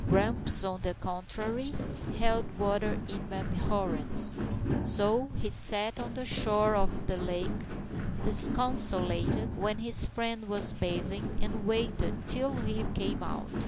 Grumps, on the contrary, held water in abhorrence; so he sat on the shore of the lake disconsolate when his friend was bathing, and waited till he came out.